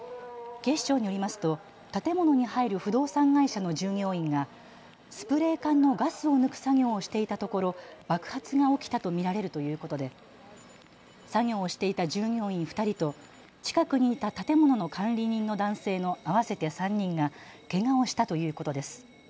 警視庁によりますと建物に入る不動産会社の従業員がスプレー缶のガスを抜く作業をしていたところ爆発が起きたと見られるということで作業をしていた従業員２人と近くにいた建物の管理人の男性の合わせて３人がけがをしたということです。